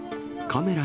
カメラ！